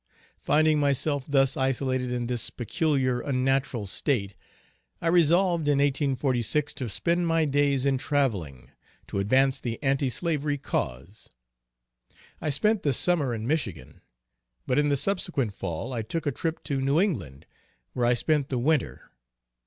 Finding myself thus isolated in this peculiarly unnatural state, I resolved, in 1846, to spend my days in traveling, to advance the anti slavery cause. I spent the summer in Michigan, but in the subsequent fall I took a trip to New England, where I spent the winter.